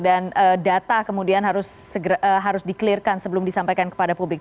dan data kemudian harus di clear kan sebelum disampaikan kepada publik